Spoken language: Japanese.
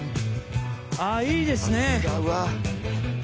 あっいいですね。